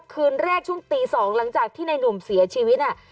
คืนแรกช่วงตี๒หลังจากที่ในหนุ่มเสียชีวิต